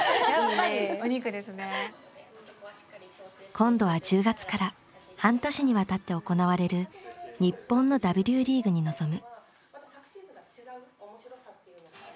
今度は１０月から半年にわたって行われる日本のＷリーグに臨む。